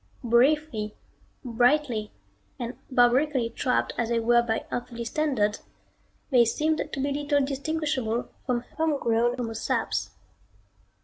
Briefly, brightly and barbarically trapped as they were by earthly standards, they seemed to be little distinguishable from homegrown homo saps.